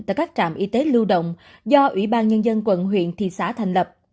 tại các trạm y tế lưu động do ủy ban nhân dân quận huyện thị xã thành lập